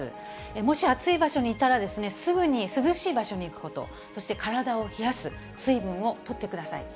もし暑い場所にいたら、すぐに涼しい場所に行くこと、そして体を冷やす、水分をとってください。